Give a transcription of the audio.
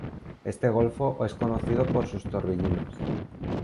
Este golfo es conocido por sus torbellinos.